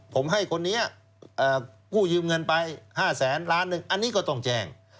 ผมให้คนนี้กู้ยืมเงินไป๕แสนล้านหนึ่งอันนี้ก็ต้องแจ้ง